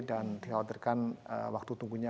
dan dikhawatirkan waktu tunggunya